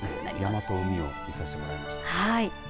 山と海を見させてもらいました。